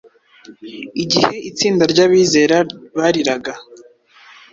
Igihe itsinda ry’abizera bariraga,